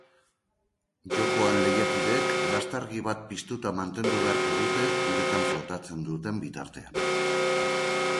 Jokoan lehiakideek lastargi bat piztuta mantendu beharko dute, uretan flotatzen duten bitartean.